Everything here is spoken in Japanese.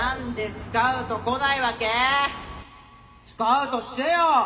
スカウトしてよ。